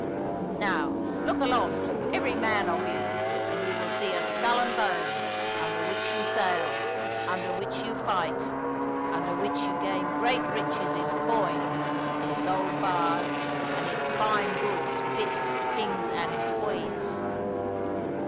"Now look aloft, every man of you, and you will see a skull and bones, under which you sail, under which you fight, under which you gain great riches in coins, in golden bars, and in fine goods fit for kings and queens!"